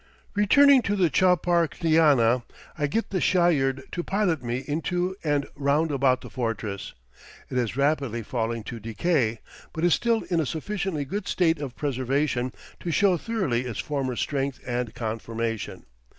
Returning to the chapar ktiana, I get the shayird to pilot me into and round about the fortress. It is rapidly falling to decay, but is still in a sufficiently good state of preservation to show thoroughly its former strength and conformation.